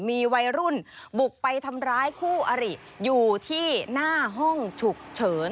มีวัยรุ่นบุกไปทำร้ายคู่อริอยู่ที่หน้าห้องฉุกเฉิน